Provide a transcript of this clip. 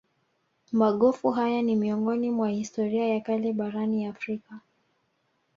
Magofu haya ni miongoni mwa historia ya kale barani Afrika